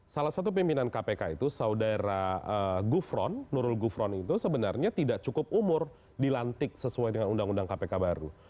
salah satu pimpinan kpk itu saudara gufron nurul gufron itu sebenarnya tidak cukup umur dilantik sesuai dengan undang undang kpk baru